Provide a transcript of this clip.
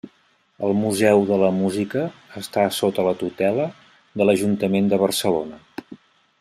El Museu de la Música està sota la tutela de l'Ajuntament de Barcelona.